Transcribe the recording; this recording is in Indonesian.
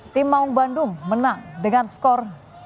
tim maung bandung menang dengan skor dua